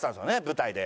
舞台で。